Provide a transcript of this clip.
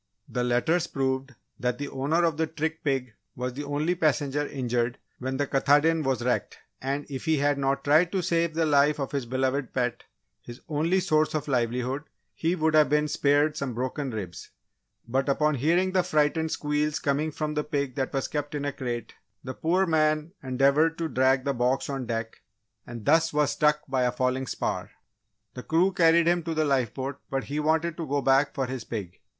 The letters proved that the owner of the trick pig was the only passenger injured when the Katahdin was wrecked, and if he had not tried to save the life of his beloved pet his only source of livelihood, he would have been spared some broken ribs. But, upon hearing the frightened squeals coming from the pig that was kept in a crate, the poor man endeavoured to drag the box on deck and thus was struck by a falling spar. The crew carried him to the lifeboat but he wanted to go back for his pig!